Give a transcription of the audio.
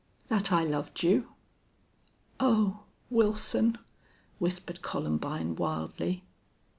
"That I loved you." "Oh!... Wilson!" whispered Columbine, wildly.